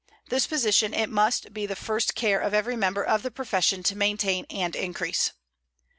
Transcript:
This position it must be the first care of every member of the profession to maintain and increase.